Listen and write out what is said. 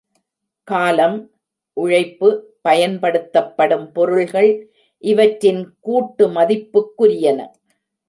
காலம், உழைப்பு, பயன்படுத்தப்படும் பொருள்கள் இவற்றின் கூட்டு மதிப்புக்குரியன.